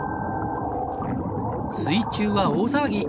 水中は大騒ぎ！